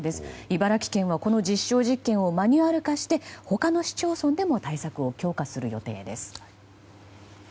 茨城県はこの実証実験をマニュアル化して他の市町村でも対策を強化する予定です。